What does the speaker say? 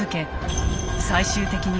最終的に